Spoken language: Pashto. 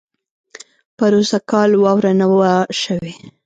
پروسږ کال واؤره نۀ وه شوې